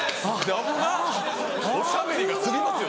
危なっおしゃべりが過ぎますよ。